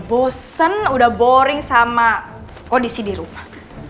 bosen udah boring sama kondisi di rumah